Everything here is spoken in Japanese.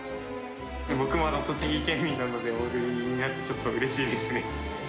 僕も栃木県民なので、おおるりになって、ちょっとうれしいですね。